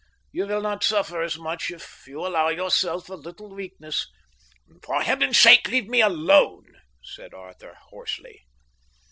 You will not suffer as much if you allow yourself a little weakness." "For Heaven's sake leave me alone!" said Arthur, hoarsely.